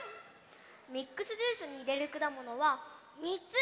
ミックスジュースにいれるくだものは３つ！